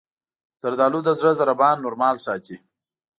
زردالو د زړه ضربان نورمال ساتي.